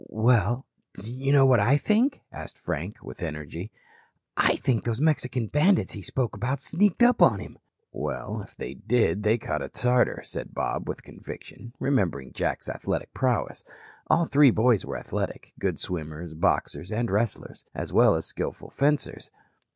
"Well, do you know what I think?" asked Frank with energy. "I think those Mexican bandits he spoke about sneaked up on him." "Well, if they did, they caught a Tartar," said Bob, with conviction, remembering Jack's athletic prowess. All three boys were athletic, good swimmers, boxers and wrestlers, as well as skillful fencers.